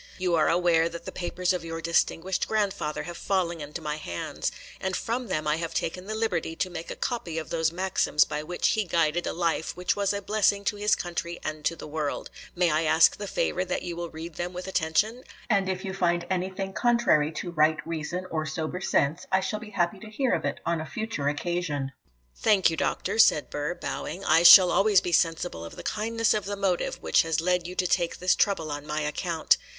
You are aware that the papers of your distinguished grandfather have fallen into my hands, and from them I have taken the liberty to make a copy of those maxims by which he guided a life which was a blessing to his country and to the world. May I ask the favour that you will read them with attention? and if you find anything contrary to right reason or sober sense, I shall be happy to hear of it on a future occasion.' 'Thank you, Doctor,' said Burr, bowing, 'I shall always be sensible of the kindness of the motive which has led you to take this trouble on my account.